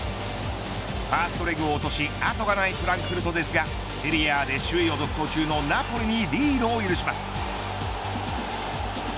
ファーストレグを落とし後がないフランクフルトですがセリエＡで首位を独走中のナポリにリードを許します。